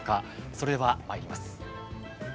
それではまいります。